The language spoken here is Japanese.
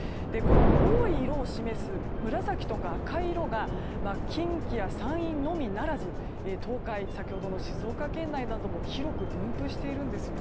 多い量を示す紫とか赤い色が近畿や山陰のみならず東海、先ほどの静岡県内でも広く分布しているんですね。